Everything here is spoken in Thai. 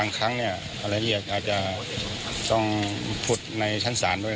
นะในสุขสำหรัฐ